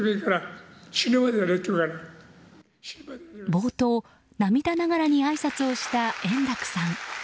冒頭、涙ながらにあいさつをした円楽さん。